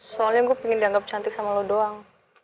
soalnya gue pengen dianggap cantik sama lo doang